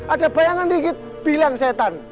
ada bayangan dikit bilang setan